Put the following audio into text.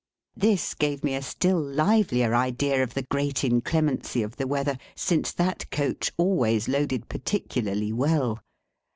This gave me a still livelier idea of the great inclemency of the weather, since that coach always loaded particularly well.